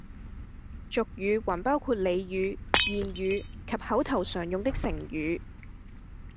俗語還包括俚語、諺語及口頭常用的成語